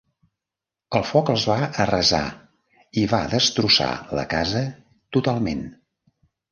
El foc els va arrasar i va destrossar la casa totalment.